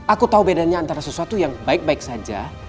aku tahu bedanya antara sesuatu yang baik baik saja